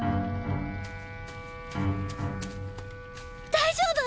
大丈夫？